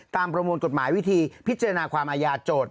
ประมวลกฎหมายวิธีพิจารณาความอาญาโจทย์